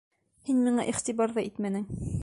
Һин миңә иғтибар ҙа итмәнең.